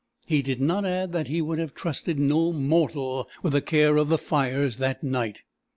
He did not add that he would have trusted no mortal with the care of the fires that night.